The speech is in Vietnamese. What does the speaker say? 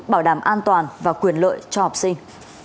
bảo đảm an toàn và quyền lợi cho học sinh